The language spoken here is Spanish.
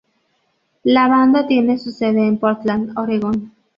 La banda tiene su sede en Portland, Oregon.